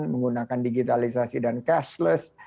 menggunakan digitalisasi dan cashless